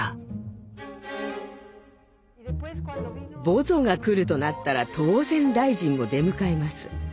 ボゾが来るとなったら当然大臣も出迎えます。